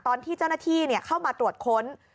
ตอนที่เจ้าหน้าที่เข้ามาตรวจค้น